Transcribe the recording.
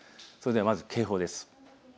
まず警報です。